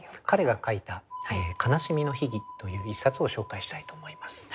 彼が書いた「悲しみの秘義」という一冊を紹介したいと思います。